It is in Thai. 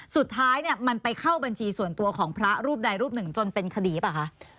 สุดท้ายเนี่ยมันไปเข้าบัญชีส่วนตัวของพระรูปใดรูปหนึ่งจนเป็นคดีหรือเปล่าคะ